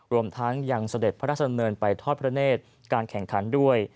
รวมทั้งยังเสด็จพระราชดำเนินไปทอดพระเนธการแข่งขันด้วย